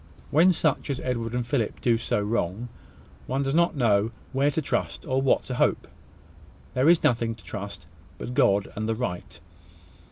When such as Edward and Philip do so wrong, one does not know where to trust, or what to hope. There is nothing to trust, but God and the right.